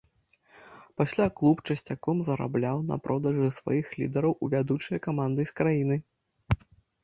Пасля клуб часцяком зарабляў на продажы сваіх лідараў у вядучыя каманды краіны.